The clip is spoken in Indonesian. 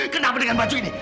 kenapa dengan baju ini